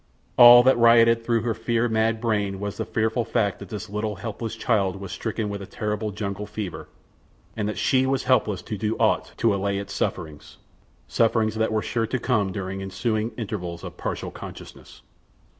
All that rioted through her fear mad brain was the fearful fact that this little, helpless child was stricken with the terrible jungle fever, and that she was helpless to do aught to allay its sufferings—sufferings that were sure to come during ensuing intervals of partial consciousness.